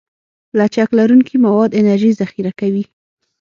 لچک لرونکي مواد انرژي ذخیره کوي.